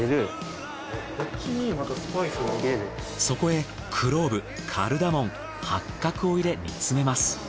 そこへクローブカルダモン八角を入れ煮詰めます。